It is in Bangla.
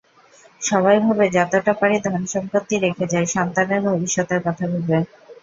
সবাই ভাবে, যতটা পারি ধনসম্পত্তি রেখে যাই, সন্তানের ভবিষ্যতের কথা ভেবে।